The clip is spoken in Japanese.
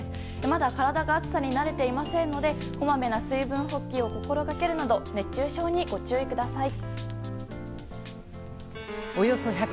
まだ体が暑さに慣れていませんのでこまめな水分補給を心がけるなど熱中症にご注意ください。